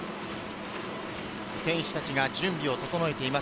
選手たちが準備を整えています。